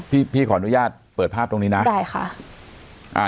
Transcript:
พี่พี่ขออนุญาตเปิดภาพตรงนี้นะได้ค่ะอ่า